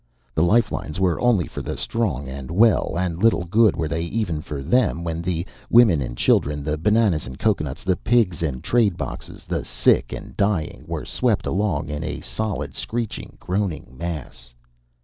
The life lines were only for the strong and well, and little good were they even for them when the women and children, the bananas and cocoanuts, the pigs and trade boxes, the sick and the dying, were swept along in a solid, screeching, groaning mass.